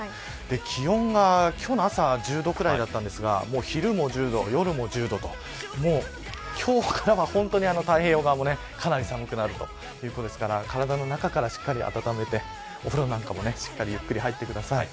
気温が今日の朝は１０度くらいでしたが昼も１０度、夜も１０度と今日からは本当に太平洋側もかなり寒くなるということですから体の中からしっかり温めてお風呂もゆっくり、入ってください。